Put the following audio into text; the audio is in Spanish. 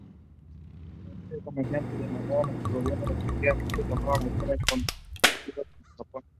Muchos comerciantes demandaron a sus gobiernos respectivos tomar acciones punitivas contra Japón.